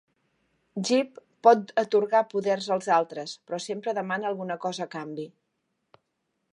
Jip pot atorgar poders als altres, però sempre demana alguna cosa a canvi.